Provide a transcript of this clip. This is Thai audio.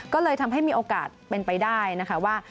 ก็เลยทำให้มีโอกาสเป็นไปได้นะคะว่า